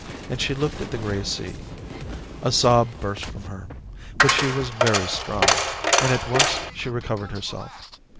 And she looked at the grey sea ; a sob burst from her ; but she was very strong, and at once she recovered her self.